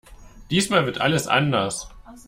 Diesmal wird alles anders!